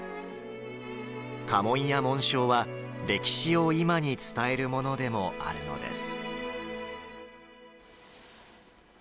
家紋や紋章は、歴史を今に伝えるものでもあるのです。